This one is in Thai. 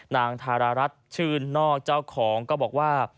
นางธารรัฐชื่นนอกเจ้าของก็บอกว่า